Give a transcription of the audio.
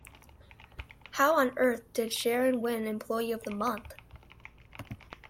How on earth did Sharon win employee of the month?